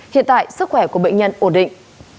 hiện tại sức khỏe của bệnh nhân ổn định